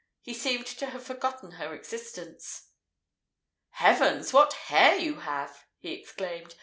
He seemed to have forgotten her existence. "Heavens, what hair you have!" he exclaimed.